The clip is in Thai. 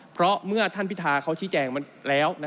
เพราะเมื่อท่านพิธาเขาชี้แจงมันแล้ว